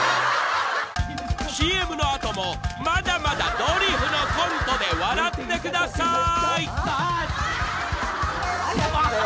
［ＣＭの後もまだまだドリフのコントで笑ってくださーい！］